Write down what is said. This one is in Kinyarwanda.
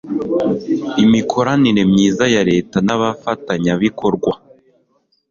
imikoranire myiza ya leta n'abafatanyabikorwa